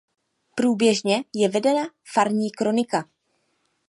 Průběžně je vedena farní kronika.